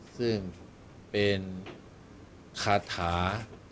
ซึ่งเป็นคาถา